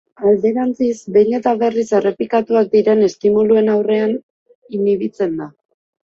Alderantziz, behin eta berriz errepikatuak diren estimuluen aurrean inhibitzen da.